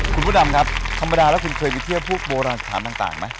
คุณผู้ดำครับธรรมดาแล้วคุณเคยไปเที่ยวพวกโบราณสถานต่างไหม